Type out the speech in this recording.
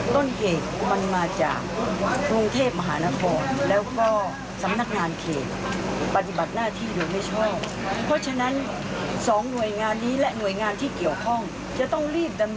ต้องแล้วก็ให้เขาได้อยู่อย่างสงบสุขเหมือนกับโรงบ้านของเราด้วยนะฮะ